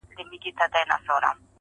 o چي هلکه وه لا گوزکه وه٫